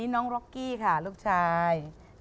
น้องร็อกกี้ค่ะลูกชาย